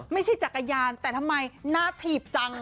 ไม่ใช่จักรยานแต่ทำไมหน้าถีบจัง